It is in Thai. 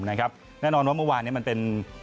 แน่นอนว่าเมื่อวานนี้มันเป็น